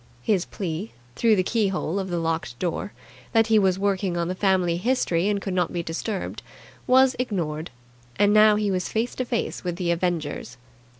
His plea, through the keyhole of the locked door, that he was working on the family history and could not be disturbed, was ignored; and now he was face to face with the avengers.